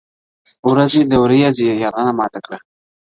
ورځي د وريځي يارانه مــاتـه كـړه~